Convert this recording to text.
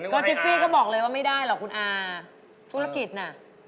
ก็จิฟฟี่ก็บอกเลยว่าไม่ได้หรอกคุณอาธุรกิจน่ะ